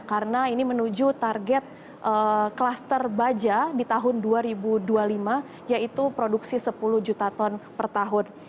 karena ini menuju target kluster baja di tahun dua ribu dua puluh lima yaitu produksi sepuluh juta ton per tahun